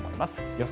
予想